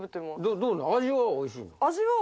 味はおいしいの？